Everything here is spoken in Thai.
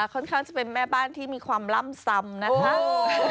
ค่อนข้างจะเป็นแม่บ้านที่มีความล่ำซำนะคะ